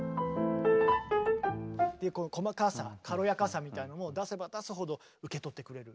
この細かさ軽やかさみたいなのも出せば出すほど受け取ってくれる。